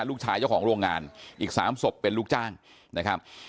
ลูกชายเจ้าของโรงงานอีกสามศพเป็นลูกจ้างนะครับ